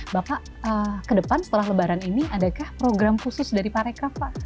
bapak ke depan setelah lebaran ini adakah program khusus dari parekraf pak